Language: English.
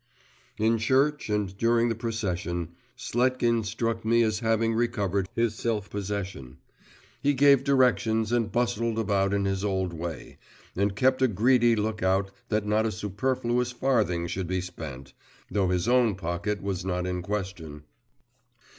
In church, and during the procession, Sletkin struck me as having recovered his self possession. He gave directions and bustled about in his old way, and kept a greedy look out that not a superfluous farthing should be spent, though his own pocket was not in question.